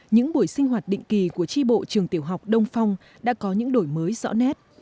những buổi sinh hoạt định kỳ của tri bộ trường tiểu học đông phong đã có những đổi mới rõ nét